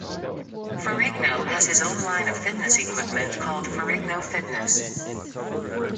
Ferrigno has his own line of fitness equipment called Ferrigno Fitness.